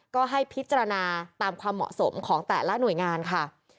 ก็ให้พิจารณาตามความเหมาะสมของแต่ละหน่วยงานค่ะ